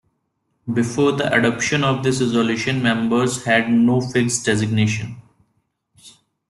Before the adoption of this resolution, members had no fixed designation.